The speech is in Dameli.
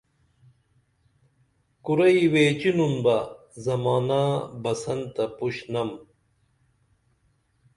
کُرئی ویچینُن بہ زمانا بسن تہ پُشنم